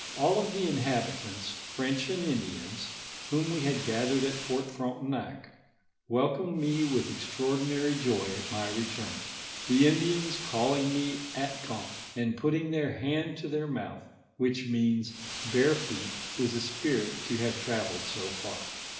All tho inhabitants, French and Indians, whom we had gathered at Fort Frontenac, welcomed mo with ex traordinary joy at my return ; tho Indians calling me Atkon, and putting their band to their mouth, which means, Barefoet is a spirit to have travelled so far.